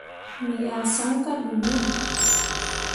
Me yah saŋ kah ɗuu naa.